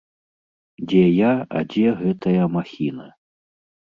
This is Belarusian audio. Дзе я, а дзе гэтая махіна.